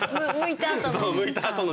むいたあとの。